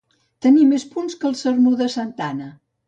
Tenir més punts que el sermó de Santa Anna.